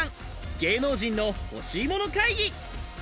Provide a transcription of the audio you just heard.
芸能人の欲しいもの会議。